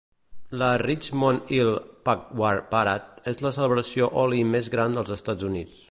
La "Richmond Hill Phagwah Parade" és la celebració holi més gran dels Estats Units.